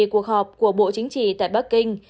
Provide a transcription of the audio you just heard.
cuộc họp của bộ chính trị tại bắc kinh